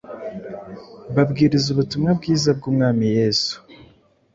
babwiriza ubutumwa bwiza bw’Umwami Yesu.